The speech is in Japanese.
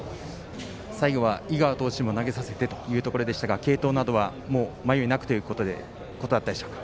最後は井川投手も投げさせてというところでしたが継投などは、もう迷いなくということだったでしょうか。